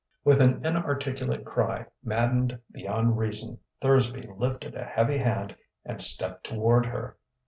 With an inarticulate cry, maddened beyond reason, Thursby lifted a heavy hand and stepped toward her.